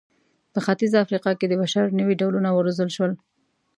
په ختیځه افریقا کې د بشر نوي ډولونه وروزل شول.